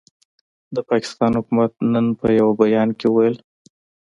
د پاکستان حکومت نن په یوه بیان کې وویل،